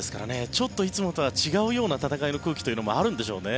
ちょっといつもとは違うような戦いの空気というのもあるんでしょうね。